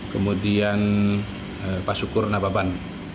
kemudian pak syukur nababan